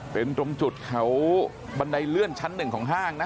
เป็นตรงจุดแถวบันไดเลื่อนชั้นหนึ่งของห้างนะ